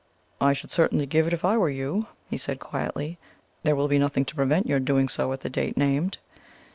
"I should certainly give it if I were you," he said quietly: "there will be nothing to prevent your doing so at the date named."